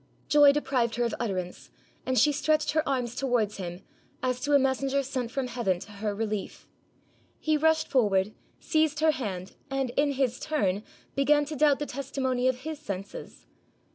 Joy deprived her of utterance, and she stretched her arms towards him, as to a messenger sent from Heaven to her relief. He rushed forward, seized her hand, and in his turn, began to doubt the testimony of his senses.